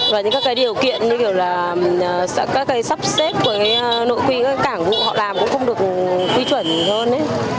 và những điều kiện như sắp xếp của nội quy cảng vụ họ làm cũng không được quy chuẩn hơn